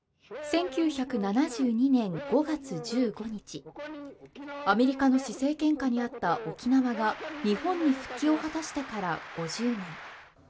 １９７２年５月１５日、アメリカの施政権下にあった沖縄が日本に復帰を果たしてから５０年。